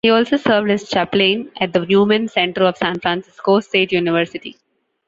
He also served as chaplain at the Newman Centre of San Francisco State University.